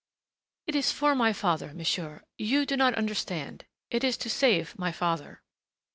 "It is for my father, monsieur. You do not understand. It is to save my father."